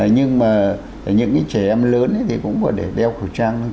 nhưng mà những cái trẻ em lớn thì cũng có để đeo khẩu trang